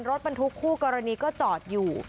รถบรรทุกคู่กรณีก็จอดอยู่